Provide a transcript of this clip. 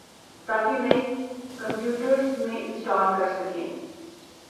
تاکہ نئی کمپیوٹرز میں انسٹال کر سکیں